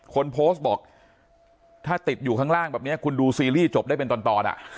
คนโพสต์บอกถ้าติดอยู่ข้างล่างแบบนี้คุณดูซีรีส์จบได้เป็นตอนอ่ะ